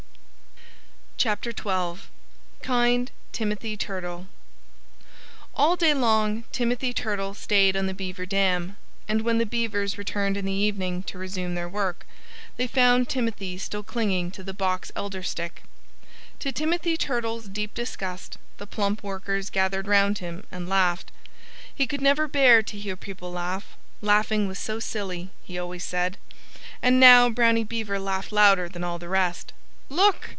XII KIND TIMOTHY TURTLE All day long Timothy Turtle stayed on the Beaver dam. And when the Beavers returned in the evening, to resume their work, they found Timothy still clinging to the box elder stick. To Timothy Turtle's deep disgust the plump workers gathered round him and laughed. He could never bear to hear people laugh laughing was so silly, he always said. And now Brownie Beaver laughed louder than all the rest. "Look!"